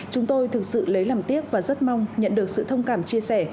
chúng tôi thực sự lấy làm tiếc và rất mong nhận được sự thông cảm chia sẻ